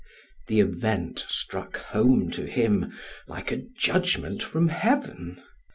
The event struck home to him like a judgment from heaven.